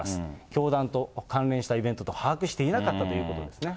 教団と関連したイベントと把握していなかったということですね。